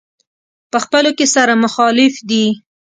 په خپلو کې سره مخالف دي.